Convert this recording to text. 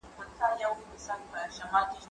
زه پرون قلم استعمالوم کړ